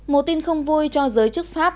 một tin không vui cho giới chức pháp